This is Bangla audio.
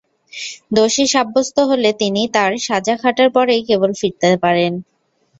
দোষী সাব্যস্ত হলে তিনি তাঁর সাজা খাটার পরেই কেবল ফিরতে পারেন।